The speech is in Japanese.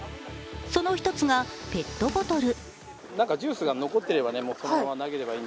その一つがペットボトル。